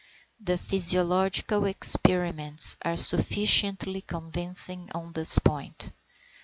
The physiological experiments are sufficiently convincing on this point.